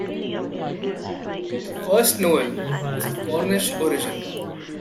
"The First Noel" is of Cornish origin.